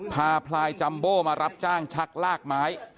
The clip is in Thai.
พลายจัมโบ้มารับจ้างชักลากไม้